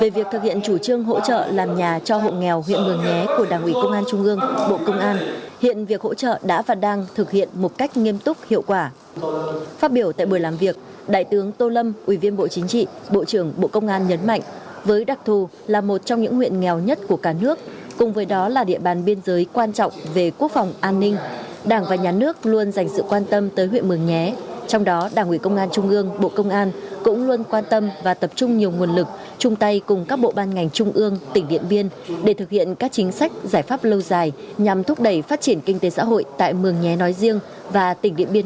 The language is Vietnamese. và ngay trong chiều nay đại tướng tô lâm ủy viên bộ chính trị bộ trưởng bộ công an và đoàn công tác cũng đã làm việc tại huyện mường nhé tỉnh điện biên